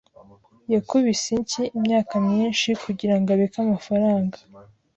Yakubise inshyi imyaka myinshi kugirango abike amafaranga.